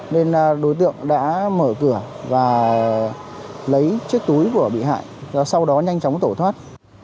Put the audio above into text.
nên đối tượng đã mở cửa và lấy chiếc túi của bị hại sau đó nhanh chóng tổ thoát